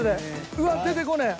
うわ出てこねぇ。